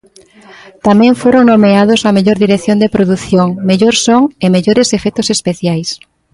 Tamén foron nomeados á mellor dirección de produción, mellor son e mellores efectos especiais.